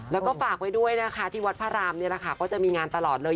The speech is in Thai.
แล้วก็ฝากไว้ด้วยที่วัดพระรามก็จะมีงานตลอดเลย